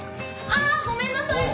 ああ！ごめんなさい。